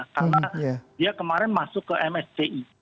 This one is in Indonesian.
karena dia kemarin masuk ke msci